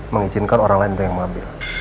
mengizinkan orang lain untuk yang mau ambil